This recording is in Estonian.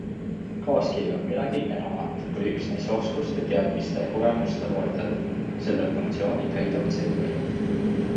Kaaskiri on midagi enamat kui üksnes oskuste, teadmiste ja kogemuste loetelu - selle funktsiooni täidab CV.